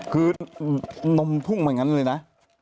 คือนมพุ้งแบบงั้นเลยนะ